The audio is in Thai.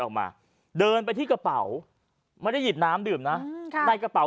ออกมาเดินไปที่กระเป๋าไม่ได้หยิบน้ำดื่มนะในกระเป๋า